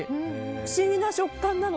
不思議な食感。